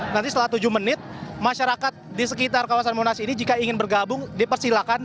nanti setelah tujuh menit masyarakat di sekitar kawasan monas ini jika ingin bergabung dipersilakan